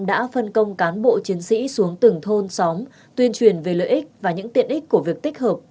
đã phân công cán bộ chiến sĩ xuống từng thôn xóm tuyên truyền về lợi ích và những tiện ích của việc tích hợp